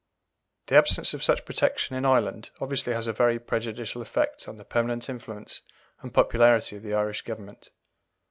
The absence of such protection in Ireland obviously has a very prejudicial effect on the permanent influence and popularity of the Irish Government.